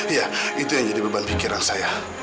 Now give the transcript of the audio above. iya itu yang jadi beban pikiran saya